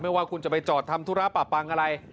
ว่าคุณจะไปจอดทำธุระปะปังอะไร